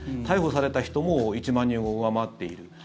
逮捕された人も１万人を上回っている。